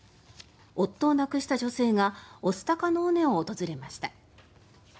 夫を亡くした女性が御巣鷹の尾根を訪れました。